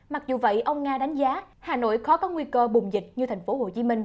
mặc dù vậy ông nga đánh giá hà nội khó có nguy cơ bùng dịch như tp hcm